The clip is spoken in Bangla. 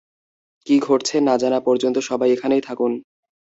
কী ঘটছে না জানা পর্যন্ত সবাই এখানেই থাকুন!